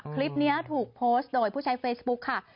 คลิปนี้ถูกโพสต์โดยผู้ใช้เฟซบุ๊คค่ะ